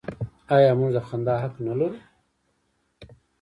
آیا موږ د خندا حق نلرو؟